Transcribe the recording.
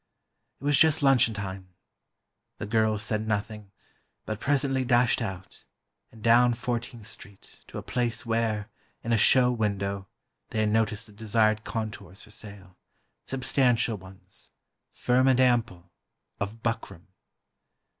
It was just luncheon time. The girls said nothing, but presently dashed out, and down Fourteenth Street, to a place where, in a show window, they had noticed the desired contours for sale, substantial ones, firm and ample, of buckram.